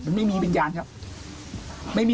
มันไม่มีวิญญาณครับ